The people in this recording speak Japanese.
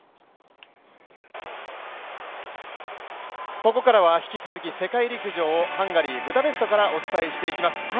ここからは引き続き世界陸上をハンガリー・ブダペストからお伝えしていきます。